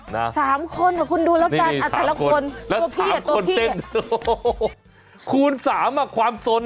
นะสามคนคุณดูแล้วกันอาจารย์ละคนตัวพี่ตัวพี่โอ้โฮคูณสามความสน